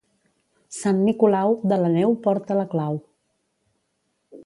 Sant Nicolau, de la neu porta la clau.